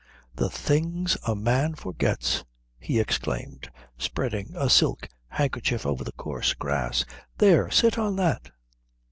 "The things a man forgets!" he exclaimed, spreading a silk handkerchief over the coarse grass. "There! Sit on that."